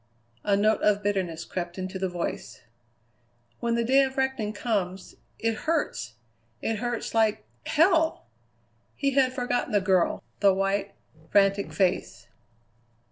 A note of bitterness crept into the voice. "When the day of reckoning comes it hurts, it hurts like hell!" He had forgotten the girl, the white, frantic face.